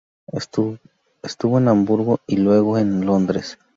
Estuvo en Hamburgo y, luego, en Londres.